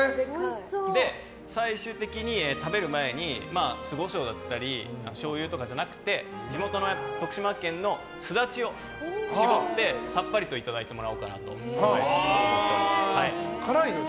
最終的に、食べる前に酢コショウだったりしょうゆとかじゃなくて地元の徳島県のスダチを搾ってさっぱりといただいてもらおうかなと辛いの？